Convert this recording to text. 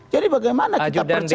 jadi bagaimana kita percaya